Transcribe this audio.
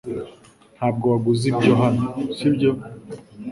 Ntabwo waguze ibyo hano, sibyo?